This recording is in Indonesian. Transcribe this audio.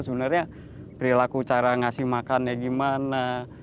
sebenarnya perilaku cara ngasih makan ya gimana